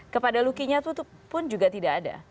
kepada luky nya pun juga tidak ada